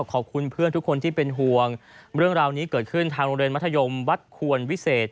ขอบคุณเพื่อนทุกคนที่เป็นห่วงเรื่องราวนี้เกิดขึ้นทางโรงเรียนมัธยมวัดควรวิเศษ